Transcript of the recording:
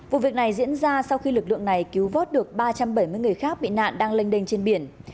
vụ việc này diễn ra sau khi lực lượng này cứu vớt được ba trăm bảy mươi người khác bị nạn đang lênh đênh trên biển